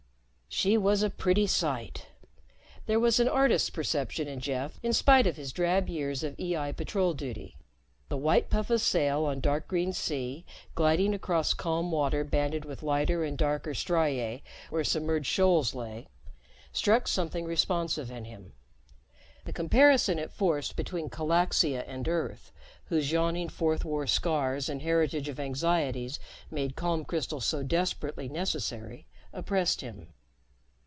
She was a pretty sight. There was an artist's perception in Jeff in spite of his drab years of EI patrol duty; the white puff of sail on dark green sea, gliding across calm water banded with lighter and darker striae where submerged shoals lay, struck something responsive in him. The comparison it forced between Calaxia and Earth, whose yawning Fourth War scars and heritage of anxieties made calm crystals so desperately necessary, oppressed him.